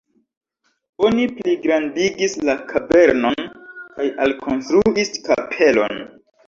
Oni pligrandigis la kavernon kaj alkonstruis kapelon.